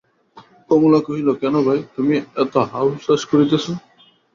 কমলা কহিল, কেন ভাই, তুমি এত হাহুতাশ করিতেছ?